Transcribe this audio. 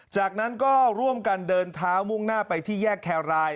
จากนั้นก็ร่วมกันเดินเท้ามุ่งหน้าไปที่แยกแครราย